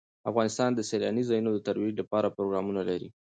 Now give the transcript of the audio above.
افغانستان د سیلانی ځایونه د ترویج لپاره پروګرامونه لري.